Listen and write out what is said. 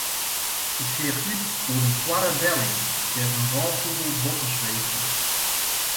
Ik seach út oer in toarre delling dêr't in rôffûgel boppe sweefde.